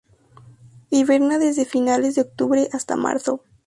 Hiberna desde finales de octubre hasta marzo.